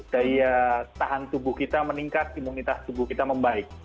daya tahan tubuh kita meningkat imunitas tubuh kita membaik